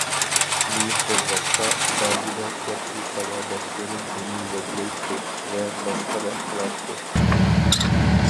مېيىپ بولغاچقا، بەزىدە كەپسىز ساۋاقداشلىرىم مېنى يەكلەيتتى ۋە مەسخىرە قىلاتتى.